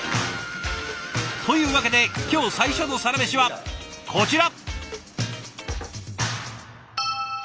というわけで今日最初のサラメシはこちら。